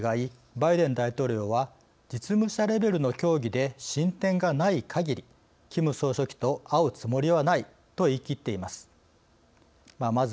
バイデン大統領は「実務者レベルの協議で進展がないかぎりキム総書記と会うつもりはない」と言い切っています。